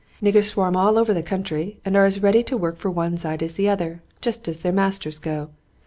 Niggers swarm all over the country and are as ready to work for one side as the other, jest as their masters go.